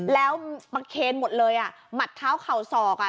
แล้วประเคนหมดเลยอ่ะหมัดเท้าเข่าศอกอ่ะ